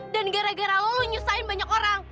dan gara gara lo nyusahin banyak orang